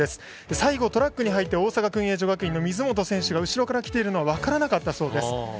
最後、トラックに入って大阪薫英女学院の水本選手が後ろから来ているのは分からなかったそうです。